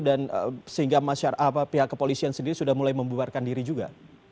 dan sehingga pihak kepolisian sendiri sudah mulai membubarkan diri juga